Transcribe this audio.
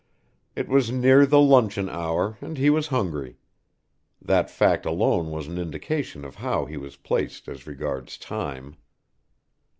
It was near the luncheon hour and he was hungry. That fact alone was an indication of how he was placed as regards Time.